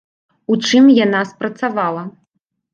У чым яна спрацавала?